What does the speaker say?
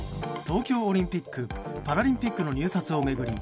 東京オリンピック・パラリンピックの入札を巡り